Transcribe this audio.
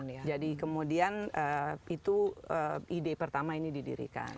ya jadi kemudian itu ide pertama ini didirikan